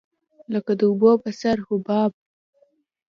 لکه د اوبو په سر حباب.